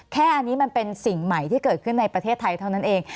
แค่อันนี้มันเป็นสิ่งใหม่ที่เกิดขึ้นในประเทศไทยเท่านั้นเอง